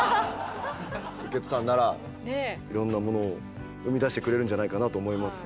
雨穴さんならいろんなものを生み出してくれるんじゃないかなと思います。